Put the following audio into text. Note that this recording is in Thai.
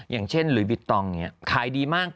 อย่างเช่นหลุยบิตตองเนี่ยขายดีมาก